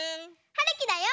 はるきだよ。